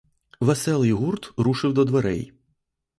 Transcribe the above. Веселий гурт рушив до дверей.